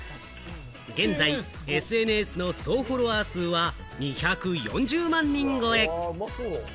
現在、ＳＮＳの総フォロワー数は２４０万人超え。